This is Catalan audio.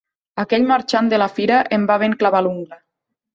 Aquell marxant de la fira em va ben clavar l'ungla.